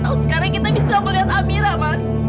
oh sekarang kita bisa melihat amira mas